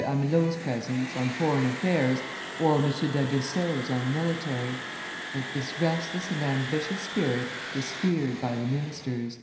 Amelot's presence, on foreign affairs, or M. d'Aguesseau's, on military; but this restless and ambitious spirit is feared by the ministers."